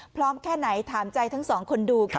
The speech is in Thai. พร้อมแค่ไหนถามใจทั้งสองคนดูค่ะ